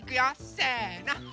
せの。